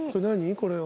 これは。